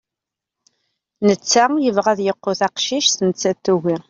netta yebɣa ad yeqqu taqcict nettat tugi